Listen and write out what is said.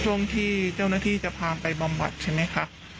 ช่วงที่เจ้าหน้าที่จะพาไปบำบัดใช่ไหมคะ